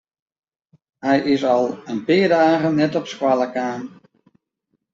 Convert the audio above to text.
Hy is al in pear dagen net op skoalle kaam.